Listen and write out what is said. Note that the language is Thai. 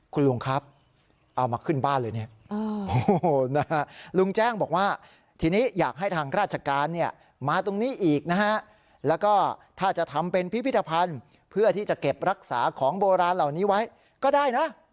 คุณลุงครับเอามาขึ้นบ้านเลยเนี่ยลุงแจ้งบอกว่าทีนี้อยากให้ทางราชการเนี่ยมาตรงนี้อีกนะฮะแล้วก็ถ้าจะทำเป็นพิพิธภัณฑ์เพื่อที่จะเก็บรักษาของโบราณเหล่านี้ไว้ก็ได้นะ